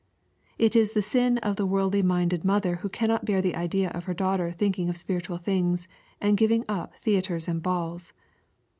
— It is the sin of the worldly minded mother who cannot bear the idea of her daughter thinking of spiritual things, and giving up theatres and balls.